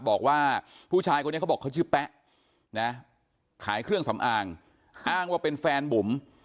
บอกว่าผู้ชายคนนี้เขาบอกเขาชื่อแป๊ะนะขายเครื่องสำอางอ้างว่าเป็นแฟนบุ๋ม